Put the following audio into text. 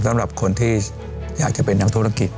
สำหรับคนที่อยากจะเป็นนักธุรกิจ